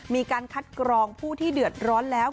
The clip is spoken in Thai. มีการคัดกรองผู้ที่เดือดร้อนแล้ว